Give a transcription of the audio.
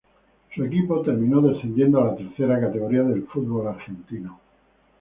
Su equipo terminó descendiendo a la tercera categoría del fútbol argentino.